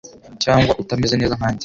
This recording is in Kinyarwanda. cyangwa utameze neza nkanjye